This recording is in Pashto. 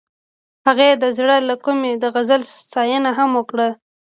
هغې د زړه له کومې د غزل ستاینه هم وکړه.